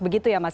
begitu ya mas